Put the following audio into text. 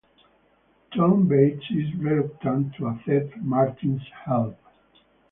Tom Bates is reluctant to accept Martin's help.